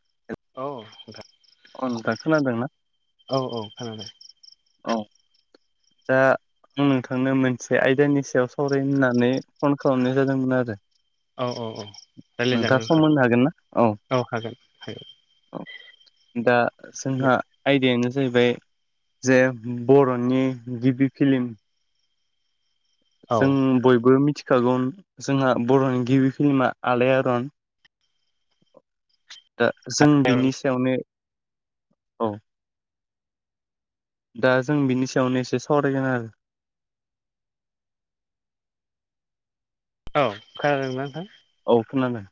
[unintelligible] [unintelligible] [unintelligible] खोनादों ना औ औ खोनादों औ दा आं नोंथांनो मोनसे आयदानि सायाव सावरायनो होननानै फन खालामनाय जादोंमोन आरो औ औ रायलाय नोंथाङा जागोन सम होनो हागोन ना नोंथां औ हागोन [unintelligible] दा दे जोंहा आयदायानो जाहैबाय जे बर'नि गिबि फिल्म औ जों बयबो मिथिखागौ जोंहा बर'नि गिबि फिल्मा आलाय आरन दा जों बिनि सायावनो औ दा जों बिनि सायावनो एसे सावरायगोन आरो औ खोनादोंना नोंथां औ खोनादों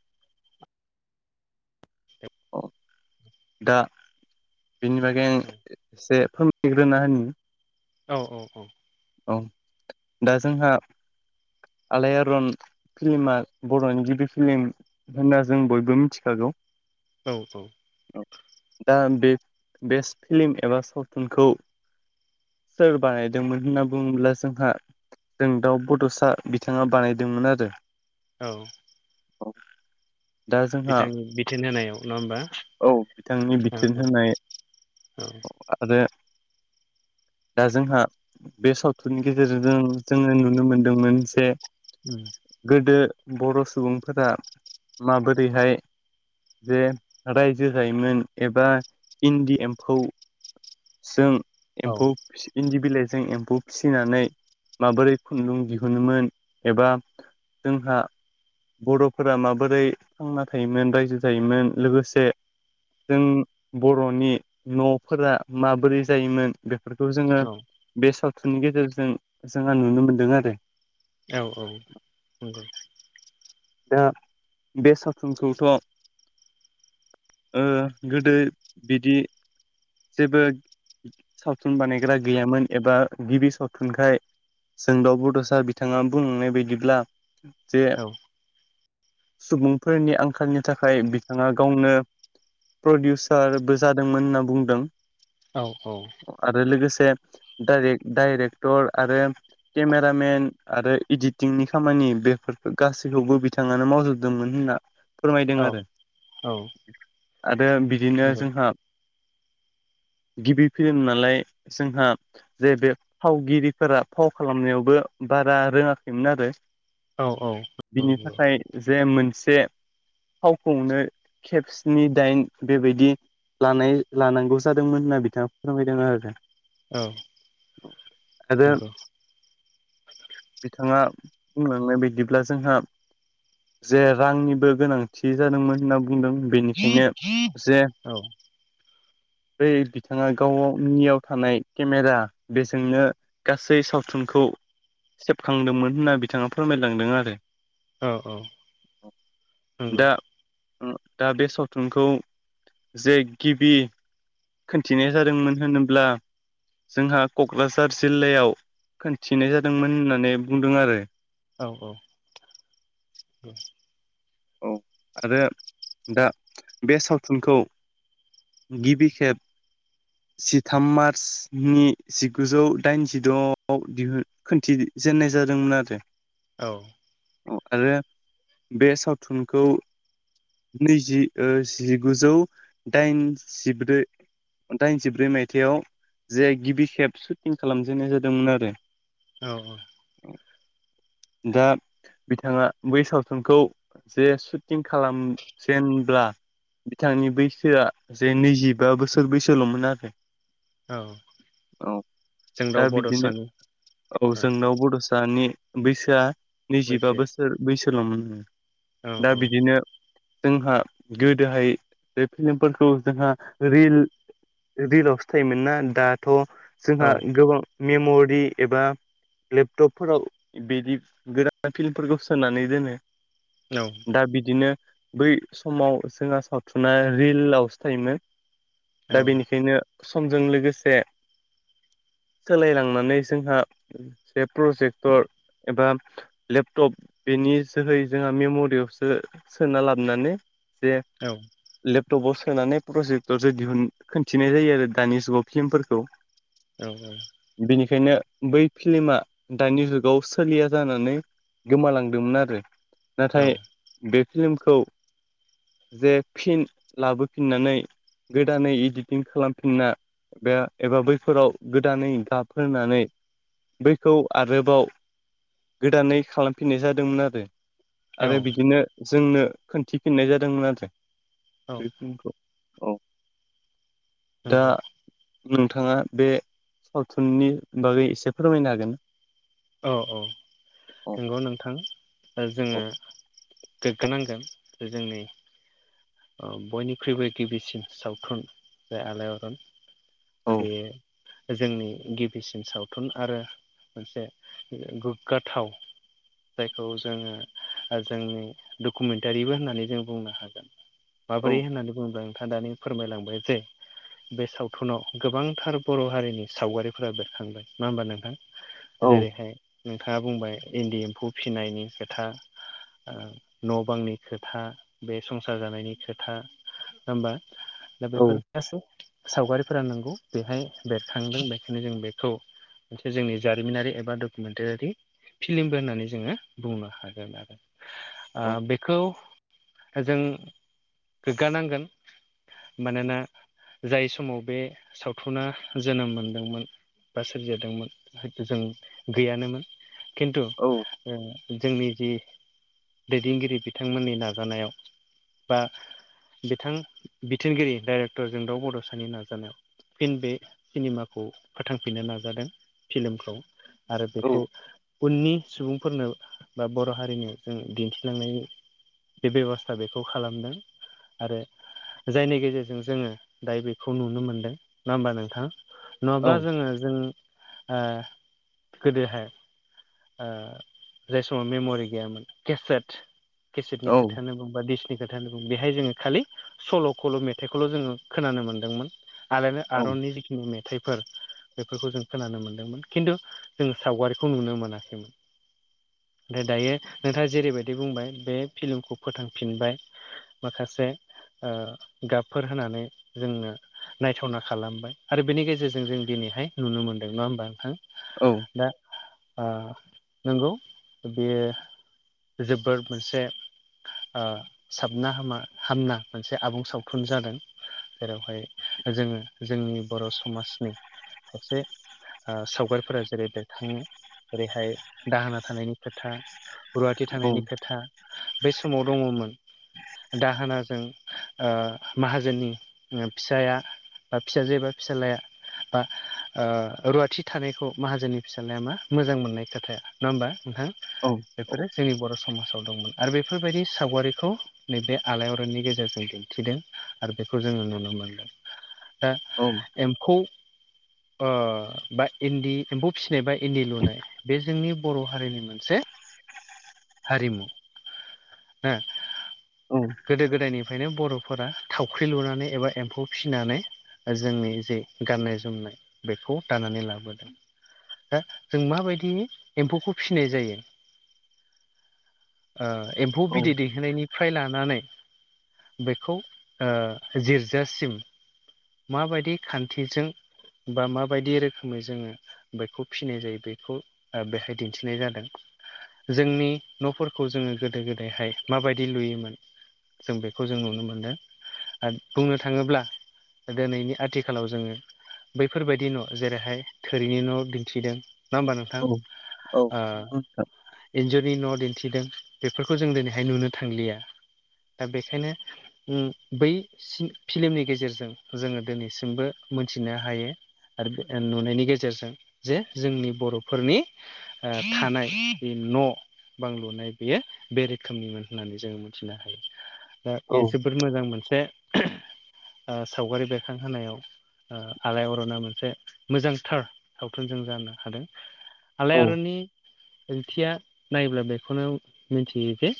दा बेनि बागै आं एसे फोरमायग्रोना होनो औ औ औ औ दा जोंहा आलाय आरन फिल्मा बर'नि गिबि फिल्म होनना जों बयबो मिथिखागौ औ औ दा बे बे फिल्म एबा सावथुनखौ सोर बानायदोंमोन बुङोब्ला जोंहा जों दाउ बड'सा बिथाङा बानायदोंमोन आरो औ औ दा जोंहा बिथांनि बिथोन होनायाव नङा होमबा औ बिथांनि औ बिथोन होनाय औ। आरो दा जोंहा बे सावथुननि गेजेरजों जोङो नुनो मोनदोंमोन जे उम गोदो बर' सुबुंफोरा माबोरैहाय जे रायजो जायोमोन एबा इन्दि एमफौ जों औ एम्फौ इन्दि बिलाइजों एम्फौ ब फिसिनानै माबोरै खुन्दुं दिहुनोमोन एबा जोंहा बर'फोरा माबोरै थांना थायोमोन रायजो थायोमोन लोगोसे जों बर'नि न'फोरा माबोरै जायोमोन बेफोरखौ जोङो बे सावथुननि गेजेरजों जोंहा नुनो मोनदों आरो औ औ नंगौ दा बे सावथुनखौथ' ओ गोदो बिदि जेबो सावथुन बानायग्रा गैयामोन एबा गिबि सावथुनखाय जोंदाव बड'सा बिथाङा बुंनाय बायदिब्ला जे औ सुबुंफोरनि आंखालनि थाखाय बिथाङा गावनो प्रडिउसारबो जादोंमोन होनना बुंदों औ औ आरो लोगोसेे डाइरेक्टर आरो केमेरामेन आरो इडिटिंनि खामानि बेफोरखौ गासैबो खौबो बिथाङनो मावजोबदोंमोन होनना फोरमायदों औ आरो आरो बिदिनो नंगौ जोंहा गिबि फिल्म नालाय जोंहा जे बे फावगिरिफोरा फाव खालामनायावबो बारा रोङाखैमोन आरो औ औ बिनि थाखाय जे मोनसे फावखौनो खेबस्नि दाइन बेबायदि लानाय लानांगौ जादोंमोन होनना बिथाङा फोरमायदों आरो आरो नंगौ बिथाङा बुंलांनाय बायदिब्ला जोंहा जे रांनिबो गोनांथि जादोंमोन होनना बुंदों बेनिखायनो औ औ जे बै बिथाङा गावनियाव थानाय केमेरा बेजोंनो गासै सावथुनखौ सेबखांदोंमोन होनना बिथाङा फोरमायलांदों आरो औ औ दा दा बे सावथुनखौ जे गिबि खोनन्थिनाया जादोंमोन होनोब्ला जोंहा क'क्राझार जिल्लायाव खोनथिनाय जादोंमोन होननानै बुंदों आरो औ औ औ आरो दा बे सावथुनखौ गिबि खेब जिथाम मार्चनि जिगुजौ दाइनजिद'आव दिहुन खोनन्थि जेेननाय जादोंमोन आरो औ आरो बे सावथुनखौ नैजि जिगुजौ दाइन जिब्रै दाइनजिब्रै माइथायाव‌ जे गिबि खेब सुटिं खालामजेननाय जादोंमोन आरो औ औ दा बिथाङा बै सावथुनखौ जे सुटिं खालाम जेनब्ला बिथांनि बैसोआ जे नैजिबा बोसोर बैसोल'मोन आरो औ औ जों दा दाव बिदिनो बड'सानि औ जोंनावबो दसे सानि बैसोआ नैजिबा बैसोआ बोसोर बैसोल'मोन आङो दा औ बिदिनो जोंहा गोदोहाय बे फिल्मफोरखौ जोंहा रिल रिलावसो थायोमोन ना दाथ' औ जोंहा गोबां मेम'रि एबा लेपटपफोराव बिदि गोदान फिल्मफोरखौ सोनानै दोनो औ दा बिदिनो बै समाव जोंहा सावथुना रिलावसो थायोमोन औ दा बेनिखायनो समजों लोगोसे सोलायलांनानै जोंहा से प्रजेक्टर एबा लेपटप बेनि जोहै जोंहा मेम'रियावसो सोना लाबोनानै जे औ लेपटपाव सोनानै प्रजेक्टरसो दिहुन खिन्थिनाय जायो आरो दानि जुगाव फिल्मफोरखौ औ औ बेनिखायनो बै फिल्मा दानि जुगाव सोलिया जानानै गोमालांदोंमोन आरो औ नाथाय बे फिल्मखौ जे फिन लाबोफिननानै गोदानै एडिटिं खालामफिनना बे एबा बैफोराव गोदानै गाबफोननानै बैखौ आरोबाव गोदानै खालामफिननाय जादोंमोन आरो आरो औ बिदिनो जोंनो खोनन्थिफिननाय जादोंमोन आरो औ बे फिल्मखौ औ दा नंगौ नोंथाङा बे सावथुननि बागै एसे फोरमायनो हागोन? औ औ औ नंगौ नोंथां औ जोङो गोग्गोनांगोन जोंनि बयनिख्रुइबो गिबिसिन सावथुन जाय आलायारन औ बे जोंनि गिबिसिन सावथुन आरो मोनसे गोग्गाथाव जायखौ जोङो जोंनि डकुमेन्टारिबो होननानै जों बुंनो हागोन माबोरै होननानै बुङोब्ला नोंथाङा दानि फोरमायलांबाय जे बे सावथुनाव गोबांथार बर' हारिनि सावगारिफोरा बेरखांबाय नङा होमबा नोंथां? औ जेरैहाय नोंथाङा बुंबाय इन्दि एम्फौ फिसिनायनि खोथा न' बांनि खोथा बे संसार जानायनि खोथा होनबा दा औ बेफोर गासै सावगारिफोरा नंगौ बेहाय बेरखांदों बेखायनो जों बेखौ मोनसे जोंनि जारिमिनारि एबा डकुमेन्टारि फिल्मबो होननानै जोङो बुंनो हागोन आरो बेखौ जों गोग्गानांगोन मानोना जाय समाव बे सावथुना जोनोम मोनदोंमोन बा सोरिजादोंमोन हयथ' जों गैयानोमोन खिन्थु औ जोंनि जि दैदेनगिरि बिथांमोननि नाजानायाव बा बिथां बिथोनगिरि डाइरेक्टर जोंदाव बड'सानि नाजानायाव फिन बे सिनिमाखौ फोथांफिननो नाजादों फिल्मखौ आरो बेखौ उननि सुबुंफोरनो बा बर' हारिनो जों दिन्थिलांनायनि बे बेब'स्था बेखौ खालामदों आरो जायनि गेजेरजों जोंङो दायो बेखौ नुनो मोनदों नङा होमबा नोंथां। औ नङाब्ला जोंङो जों ओ गोदोहाय ओ जाय समाव मेम'रि गैयामोन केसेट केसेटनि औ खोथायानो बुंबा दिस नि खोथा होन बुं बेहाय जोंङो खालि सल'खौल' मेथाइखौल' जोंङो खोनानो मोनदोंमोन। आलायनो औ आर'नि जिखिनि मेथाइ फोर बेफोरखौ जों खोनानो मोन्दोंमोन किन्थु जों सावगारिखौ नुनो मोनाखैमोन। ओमफाय दायो नोंथाङा जेरैबायदि बुंबाय बे फिल्मखौ फोथांफिनबाय माखासे। ओ गाबफोर होनानै जोंनो नायथावना खालामबाय आरो बेनि गेजेरजों जों दिनैहाय नुनो मोनदों नङा ओमबा नोंथां। औ दा ओ नंगौ बेयो जोबोर मोनसे ओ साबना हामा हामना मोनसे आबुं सावथुन जादों। जेरावहाय जोंङो जोंनि बर' समाजनि खायसे ओ सावगारिफोरा जेरै बेखाङो जेरैहाय दाहोना थानायनि खोथा रुवाथि औ थानायनि खोथा बै समाव दङमोन। दाहोनाजों ओ माहाजोननि फिसाया बा फिसाजो एबा फिसालाया बा ओ रुवाथि थानायखौ माहाजोननि फिसालाया मा मोजां मोननाय खोथाया नो ओमबा नोंथां औ बेफोरो जोंनि बर' समाजाव दंमोन आरो बेफोरबायदि सावगारिखौ नैबे आलायअरननि गेजेरजों दिन्थिदों। आरो बेखौ जोंङो नुनो मोनो। [inaudible] दा एमफौ ओ बा इन्दि एम्फौ फिसिनाय बा इन्दि लुनाय बे जोंनि बर' हारिनि मोनसे हारिमु ओ गोदो गोदायनि बे खायनो बर'फोरा थावख्रि लुनानै एबा एम्फौ फिसिनानै जोंनि जे गाननाय जोमनाय बेखौ दानानै लाबोदों। दा जों माबायदि एम्फौखौ फिसिनाय जायो। ओ एम्फौ बिदै दैहोनायनिफ्राय लानानै बेखौ ओ जिर्जासिम माबायदि खान्थिजों बा माबायदि रोखोमै जोंङो बेखौ फिसिनाय जायो बेखौ ओ बेहाय दिन्थिनाय जादों। जोंनि न'फोरखौ जोंङो गोदो गोदायहाय माबायदि लुयोमोन। जों बेखौ जों नुनो मोनदों आरो बुंनो थाङोब्ला दोनैनि आथिखालाव जोंङो बैफोरबायदि न' जेरैहाय थोरिनि न' दिन्थिदों। नङा ओमबा नोंथां ओ एन्जुरनि न' दिन्थिदों। बेफोरखौ जों दिनैहाय नुनो थांलिया दा बेखायनो अम बै सिन फिल्मनि गेजेरजों जोंङो दिनैसिमबो मोनथिनो हायो। आरो बे नुनायनि गेजेरजों जे जोंनि बर'फोरनि ओ थानाय बे न' बां लुनाय बेयो बे रोखोमनिमोन होननानै जोंङो मिथिनो हायो दा बे जोबोर मोजां मोनसे ओ सावगारि बेरखांहोनायाव ओ आलायअरना मोनसे मोजांथार सावथुन जों जानो हादों। आलायारननि ओंथिया नायोब्ला बेखौनो। मिथियो जे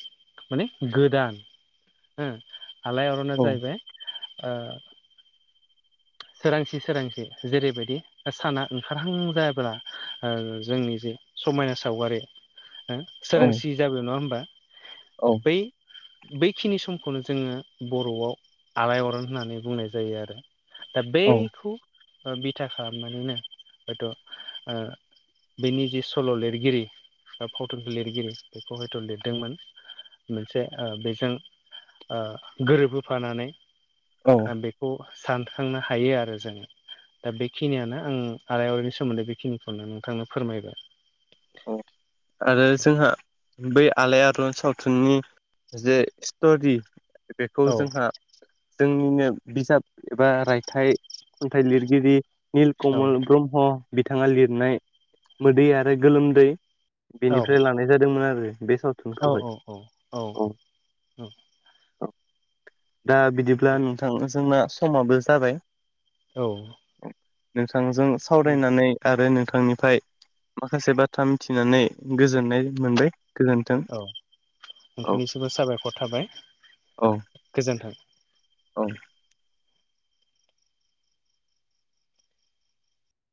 माने गोदान हो आलायारना जाहैबाय। ओ। सोरांसि सोरांसि जेरैबायदि साना ओंखारहां जायाब्ला। ओ जोंनि जे समायना सावगारि। ओं औ सोरांसि जाबो नङा होमबा औ बै। बैखिनि समखौनो जोङो बर'आव आलायअरन होननानै बुंनाय जायो आरो। दा बैखौ ओ बिथा खालामनानैनो हयथ' ओ। बेनि जि सल' लिरगिरि फावथुनखौ लिरगिरि बेखौ हयथ' लिरदोंमोन मोनसे बेजों गोरोबबोफानानै औ बेखौ सानखांनो हायो आरो जोङो दा बेखिनियानो आं आरलायारिनि सोमोन्दै बेखिनिखौनो नोंथांनो फोरमायबाय आरो जोंहा बै आलायारन सावथुननि जे स्ट'रि बेखौ औ जोंहा जोंनिनो बिजाब एबा रायथाइ खन्थाइ लिरगिरि निल औ कमल ब्रह्म बिथाङा लिरनाय मोदै आरो गोलोमदै औ बेनिफ्राय लानाय जादोंमोन आरो बे साव औ औ औ औ औ दा बिदिब्ला नोंथां जोंना समाबो जाबाय औ नोंथांजों सावरायनानै आरो नोंथांनिफ्राय माखासे बाथ्रा मिथिनानै गोजोननाय मोनबाय गोजोन्थों औ औ नोंथांनिसिबो साबायखर थाबाय औ गोजोन्थों औ